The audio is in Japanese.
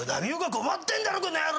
困ってんだろこの野郎！